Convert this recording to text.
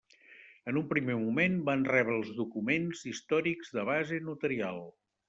En un primer moment, van rebre els documents històrics de base notarial.